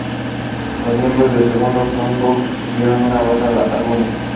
Los miembros del segundo convoy no sufrieron baja alguna.